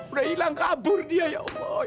udah hilang kabur dia ya allah